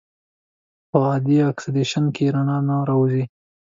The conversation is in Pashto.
په عادي اکسیدیشن کې رڼا نه راوځي.